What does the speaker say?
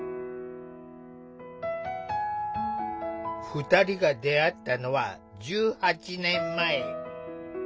二人が出会ったのは１８年前。